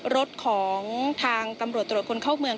รถของทางตำรวจตรวจคนเข้าเมือง